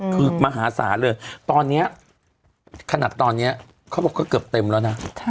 คือมหาศาลเลยตอนนี้ขนาดตอนนี้เขาบอกก็เกือบเต็มแล้วนะ